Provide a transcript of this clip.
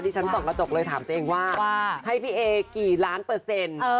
ฉันส่องกระจกเลยถามตัวเองว่าให้พี่เอกี่ล้านเปอร์เซ็นต์